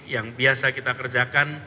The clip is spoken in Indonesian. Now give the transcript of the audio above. yang biasa kita kerjakan